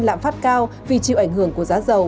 lạm phát cao vì chịu ảnh hưởng của giá dầu